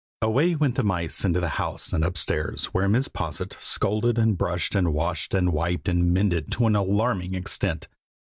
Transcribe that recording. Away went the mice into the house and upstairs, where Mrs. Posset scolded, and brushed, and washed, and wiped and mended to an alarming extent.